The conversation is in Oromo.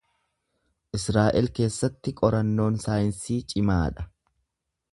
Israa’el keessatti qorannoon saayinsii cimaa dha.